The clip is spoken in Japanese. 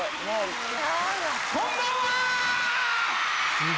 こんばんはー！